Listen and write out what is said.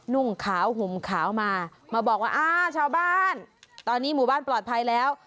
นุ่งขาวห่มขาวมามาบอกว่าอ่าชาวบ้านตอนนี้หมู่บ้านปลอดภัยแล้ว